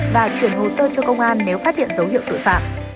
và chuyển hồ sơ cho công an nếu phát hiện dấu hiệu tội phạm